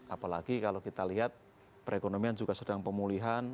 apalagi kalau kita lihat perekonomian juga sedang pemulihan